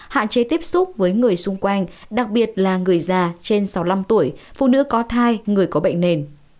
hạn chế tiếp xúc với người xung quanh đặc biệt là người già trên sáu mươi năm tuổi phụ nữ có thai người có bệnh nền